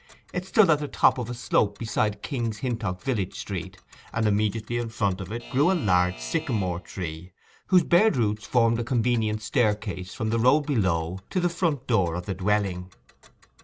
It stood at the top of a slope beside King's Hintock village street; and immediately in front of it grew a large sycamore tree, whose bared roots formed a convenient staircase from the road below to the front door of the dwelling.